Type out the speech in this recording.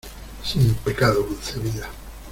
¡ sin pecado concebida!